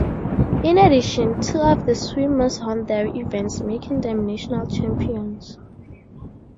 In addition, two of the swimmers won their events, making them national champions.